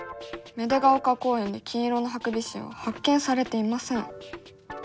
芽出ヶ丘公園で金色のハクビシンは発見されていません」。